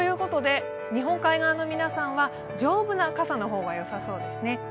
日本海側の皆さんは丈夫な傘の方がよさそうですね。